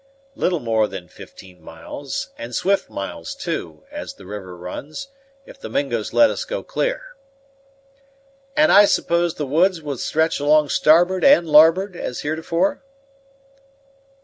"Little more than fifteen miles; and swift miles too, as the river runs, if the Mingos let us go clear." "And I suppose the woods will stretch along starboard and larboard, as heretofore?"